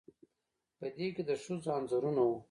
په دې کې د ښځو انځورونه وو